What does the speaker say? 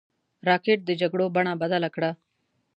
راکټ د جګړو بڼه بدله کړه